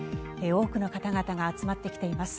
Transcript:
多くの方々が集まってきています。